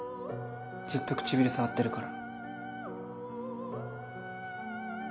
ずっと唇触ってるから。